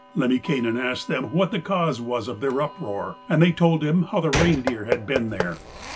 Lemminkainen asked what the cause was of their uproar, and they told him how the reindeer had been there.